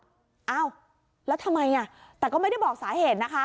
อ้าวแล้วทำไมอ่ะแต่ก็ไม่ได้บอกสาเหตุนะคะ